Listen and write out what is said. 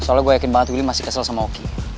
soalnya gue yakin banget willy masih kesel sama oki